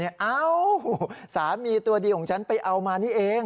เอ้าสามีตัวดีของฉันไปเอามานี่เอง